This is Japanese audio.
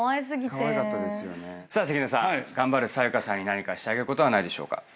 さあ関根さん頑張る紗優加さんに何かしてあげることはないでしょうか？